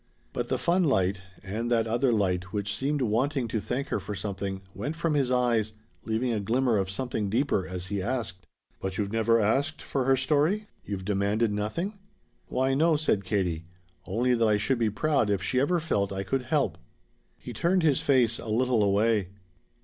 But the fun light, and that other light which seemed wanting to thank her for something, went from his eyes, leaving a glimmer of something deeper as he asked: "But you've never asked for her story? You've demanded nothing?" "Why no," said Katie; "only that I should be proud if she ever felt I could help." He turned his face a little away.